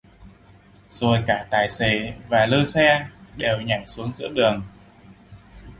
Rồi cả tài xế và lơ xe đều nhảy xuống giữa đường